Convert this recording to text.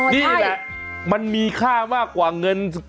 นี่แหละมันมีค่ามากกว่าเงิน